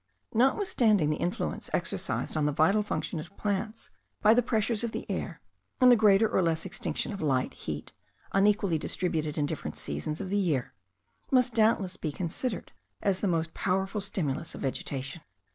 Notwithstanding the influence exercised on the vital functions of plants by the pressure of the air, and the greater or less extinction of light, heat, unequally distributed in different seasons of the year, must doubtless be considered as the most powerful stimulus of vegetation.